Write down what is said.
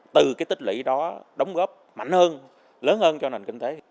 từ cái tích lũy đó đóng góp mạnh hơn lớn hơn cho nền kinh tế